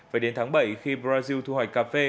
phải đến tháng bảy khi brazil thu hoạch cà phê